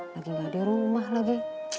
lagi nggak di rumah lagi